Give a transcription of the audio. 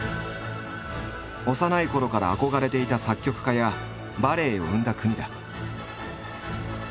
幼いころから憧れていた作曲家やバレエを生んだ国だ。